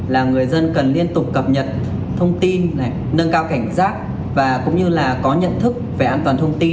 là người dân cần liên tục cập nhật